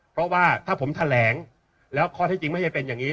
เพราะว่าถ้าผมแถลงแล้วข้อที่จริงไม่ใช่เป็นอย่างนี้